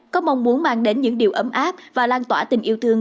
có mong muốn mang đến những điều ấm áp và lan tỏa tình yêu thương